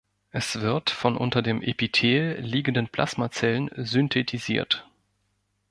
Es wird von unter dem Epithel liegenden Plasmazellen synthetisiert.